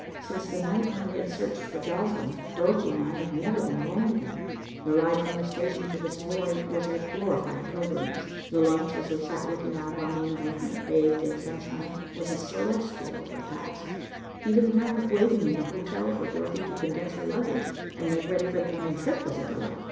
Since the night when we had searched for Joslinn, Dorothy and I had never been alone together. The ride from the station to the Savoy was a glorified pilgrimage; the lunch, as we sat looking out on the embankment bathed in sunshine, was a celestial repast, even the time of waiting in the hotel for Dorothy to condense her luggage, and make ready for the coming trip, was a delight.